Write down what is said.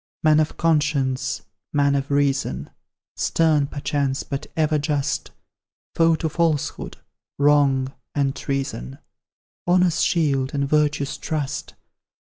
Man of conscience man of reason; Stern, perchance, but ever just; Foe to falsehood, wrong, and treason, Honour's shield, and virtue's trust!